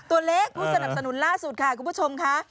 ตัวเลขผู้สนับสนุนล่าสุดค่ะคุณผู้ชมค่ะ